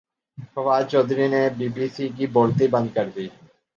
فواد چوہدری نے B B C کی بولتی بند کردی